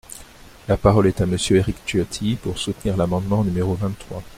La parole est à Monsieur Éric Ciotti, pour soutenir l’amendement numéro vingt-trois.